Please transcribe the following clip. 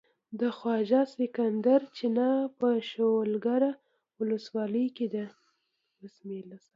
د خواجه سکندر چينه په شولګرې ولسوالۍ کې ده.